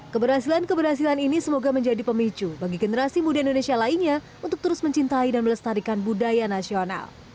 keberhasilan keberhasilan ini semoga menjadi pemicu bagi generasi muda indonesia lainnya untuk terus mencintai dan melestarikan budaya nasional